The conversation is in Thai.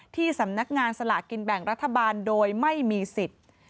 ที่สำนักงานสลากกินแบ่งรัฐบาลโดยไม่มีสิทธิ์